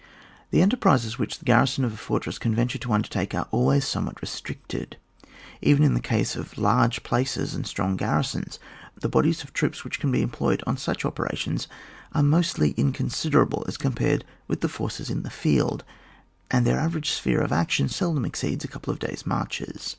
The enterprises which the garrison of a fortress can venture to undertake are always somewhat restricted. Even in the case of large places and strong gar risons, the bodies of troops which can be employed on such operations are mostly inconsiderable as compared with the forces in the field, and their average sphere of action seldom exceeds a couple of days' marches.